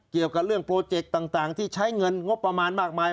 เกี่ยวกับเรื่องโปรเจกต์ต่างที่ใช้เงินงบประมาณมากมาย